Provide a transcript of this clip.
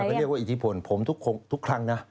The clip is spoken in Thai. ก็เรียกว่าอิทธิพลผมทุกครั้งนะ